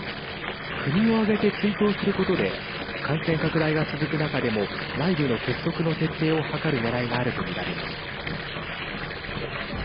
国を挙げて追悼することで感染拡大が続く中でも内部の結束の徹底を図るねらいがあるとみられます。